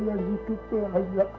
yang hidup berayak